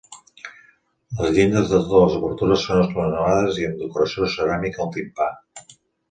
Les llindes de totes les obertures són esglaonades i amb decoració ceràmica al timpà.